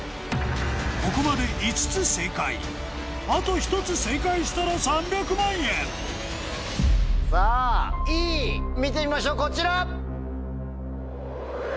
ここまで５つ正解あと１つ正解したら３００万円さぁＥ見てみましょうこちら！